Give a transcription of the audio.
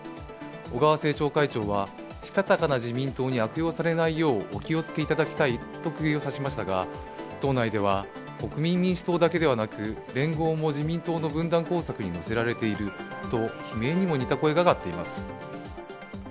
小川政調会長は、したたかな自民党に悪用されないようお気をつけいただきたいとくぎを刺しましたが党内では国民民主党だけではなく、連合も自民党の分断工作に乗せられていると悲鳴にも似た声が上がっています。